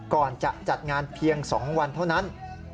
ก่อนจะจัดงานเพียง๒วันเท่านั้น